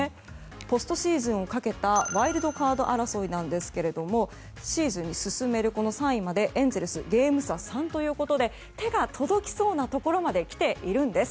ポストシーズンをかけたワイルドカード争いなんですがシーズンに進める３位までエンゼルスゲーム差３ということで手が届きそうなところまで来ているんです。